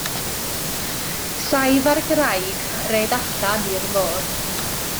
Saif ar graig red allan i'r môr.